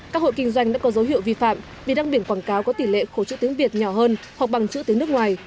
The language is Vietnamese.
các hội kinh doanh đã có dấu hiệu vi phạm vì đăng biển quảng cáo có tỷ lệ khổ chữ tiếng việt nhỏ hơn hoặc bằng chữ tiếng nước ngoài